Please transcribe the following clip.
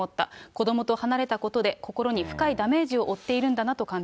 子どもと離れたことで心に深いダメージを負っているんだなと感じ